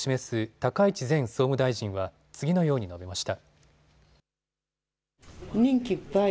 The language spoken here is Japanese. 高市前総務大臣は次のように述べました。